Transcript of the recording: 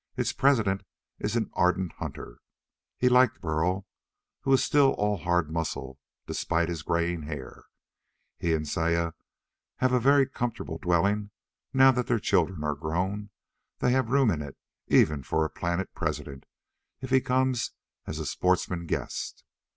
Its president is an ardent hunter. He liked Burl, who is still all hard muscle despite his graying hair. He and Saya have a very comfortable dwelling, and now that their children are grown they have room in it even for a planet president, if he comes as a sportsman guest.